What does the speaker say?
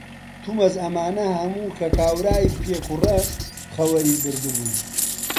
تومەز ئەمانە هەموو کە کاورای پێکوڕە خەوەری بردبوو،